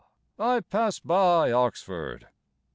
I pass by Oxford!